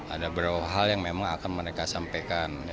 ada beberapa hal yang memang akan mereka sampaikan